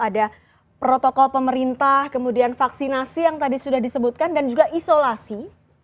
ada protokol pemerintah kemudian vaksinasi yang tadi sudah disebutkan dan juga isolasi